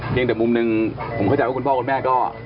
ยังแต่มุมหนึ่งผมเข้าใจว่าคุณพ่อคุณแม่ก็